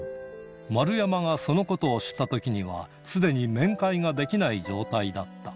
丸山がそのことを知ったときには、すでに面会ができない状態だった。